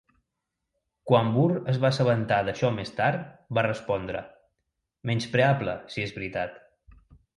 Quan Burr es va assabentar d'això més tard, va respondre: Menyspreable, si és veritat.